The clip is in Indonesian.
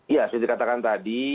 ya seperti dikatakan tadi